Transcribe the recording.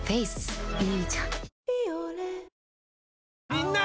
みんな！